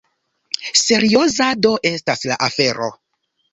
Serioza do estas la afero!